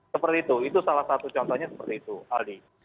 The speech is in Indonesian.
seperti itu itu salah satu contohnya seperti itu aldi